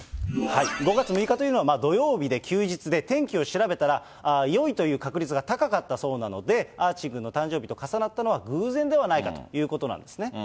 ５月６日というのは土曜日で休日で天気を調べたら、よいという確率が高かったそうなので、アーチーくんの誕生日と重なったのは偶然ではないかということなんですね。